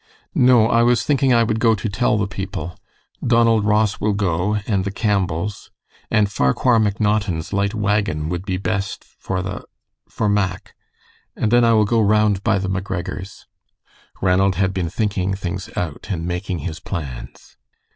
"No, I was thinking I would go to tell the people. Donald Ross will go, and the Campbells, and Farquhar McNaughton's light wagon would be best for the for Mack. And then I will go round by the McGregors." Ranald had been thinking things out and making his plans.